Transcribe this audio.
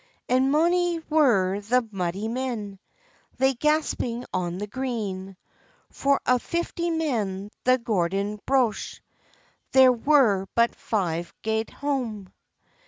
And mony were the mudie men Lay gasping on the green; For of fifty men the Gordon brocht, There were but five gaed hame.